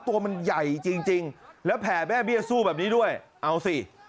ตัวมันใหญ่จริงแล้วแผ่แม่เบี้ยสู้แบบนี้ด้วยเอาสิ